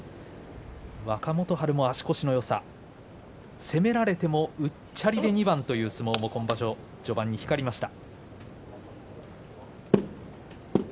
若元春も足腰のよさ攻められてもうっちゃりで２番という序盤、光りました。